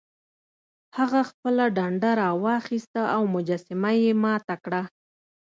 هغه خپله ډنډه راواخیسته او مجسمه یې ماته کړه.